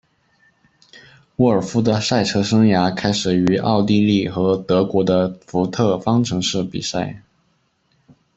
沃尔夫的赛车生涯开始于奥地利和德国的福特方程式比赛。